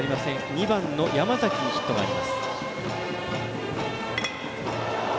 ２番の山崎にヒットがあります。